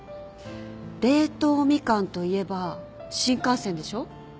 冷凍みかんといえば新幹線でしょ？